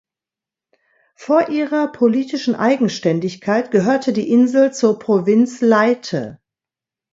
Vor ihrer politischen Eigenständigkeit gehörte die Insel zur Provinz Leyte.